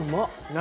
何？